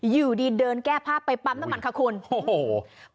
อยู่ดีเดินแก้ผ้าไปปั๊มน้ำมันค่ะคุณโอ้โห